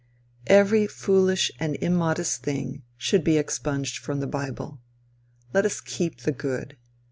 Every foolish and immodest thing should be expunged from the bible. Let us keep the good.